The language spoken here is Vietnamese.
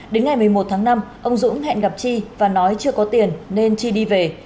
đến ngày một mươi một tháng năm ông dũng hẹn gặp chi và nói chưa có tiền nên chi đi về